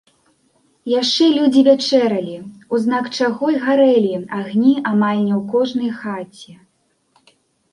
Яшчэ людзі вячэралі, у знак чаго й гарэлі агні амаль не ў кожнай хаце.